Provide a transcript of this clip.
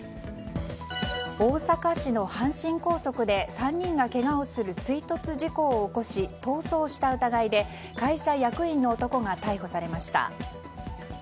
大阪市の阪神高速で３人がけがをする追突事故を起こし逃走した疑いで会社役員の男が逮捕されました。